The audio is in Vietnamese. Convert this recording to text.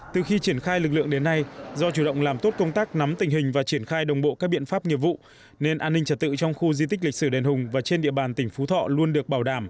từ khi triển khai lực lượng đến nay do chủ động làm tốt công tác nắm tình hình và triển khai đồng bộ các biện pháp nghiệp vụ nên an ninh trật tự trong khu di tích lịch sử đền hùng và trên địa bàn tỉnh phú thọ luôn được bảo đảm